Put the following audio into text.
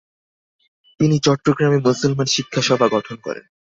তিনি চট্টগ্রামে মুসলমান শিক্ষা সভা" গঠন করেন।